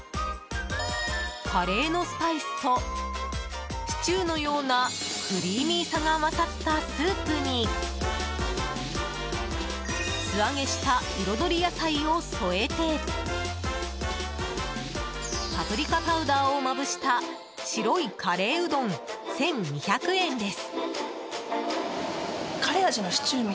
カレーのスパイスとシチューのようなクリーミーさが合わさったスープに素揚げした彩り野菜を添えてパプリカパウダーをまぶした白いカレーうどん１２００円です。